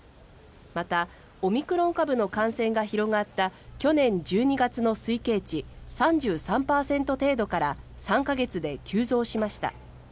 また、オミクロン株の感染が広がった去年１２月の推計値３３％程度から３か月で急増しました。